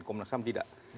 komnas ham tidak